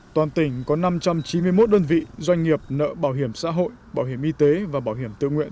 toàn tỉnh có năm trăm chín mươi một đơn vị doanh nghiệp nợ bảo hiểm xã hội bảo hiểm y tế và bảo hiểm tự nguyện